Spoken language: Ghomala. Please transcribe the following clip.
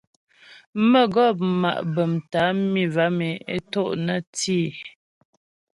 Mə́gɔp ma' bəm tə́ á mi vam e é to' nə́ tî.